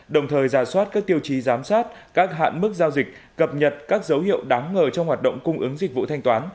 đồng thời giả soát các tiêu chí giám sát các hạn mức giao dịch cập nhật các dấu hiệu đáng ngờ trong hoạt động cung ứng dịch vụ thanh toán